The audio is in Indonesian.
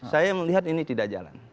saya melihat ini tidak jalan